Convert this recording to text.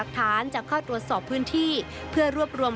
จะเข้าตรวจสอบพื้นที่เพื่อรวบรวม